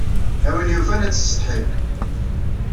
A win yufan ad tessetḥim.